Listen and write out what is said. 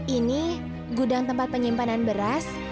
ini gudang tempat penyimpanan beras